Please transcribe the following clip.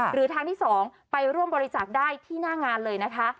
หรือทางที่๒ไปร่วมบริจาคได้ที่หน้างานเลยนะคะ